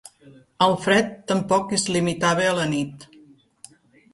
El fred tampoc es limitava a la nit.